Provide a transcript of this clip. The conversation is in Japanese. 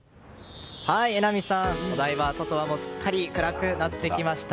榎並さん、お台場外はすっかり暗くなってきました。